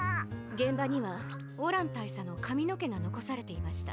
げんばにはオラン大佐のかみのけがのこされていました。